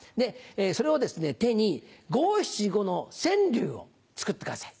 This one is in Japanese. それを手に五・七・五の川柳を作ってください。